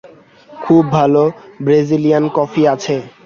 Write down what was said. খুব ভালো Brazilian coffee আছে।